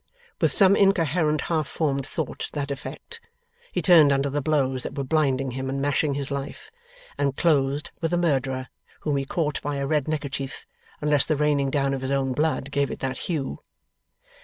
With some incoherent half formed thought to that effect, he turned under the blows that were blinding him and mashing his life, and closed with a murderer, whom he caught by a red neckerchief unless the raining down of his own blood gave it that hue.